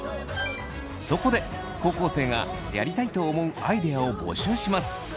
そこで高校生がやりたいと思うアイデアを募集します。